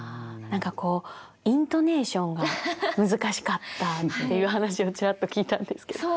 何かこうイントネーションが難しかったっていう話をチラッと聞いたんですけど。